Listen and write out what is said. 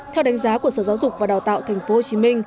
theo đánh giá của sở giáo dục và đào tạo tp hcm